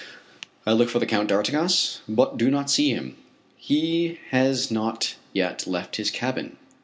I look for the Count d'Artigas, but do not see him. He has not yet left his cabin.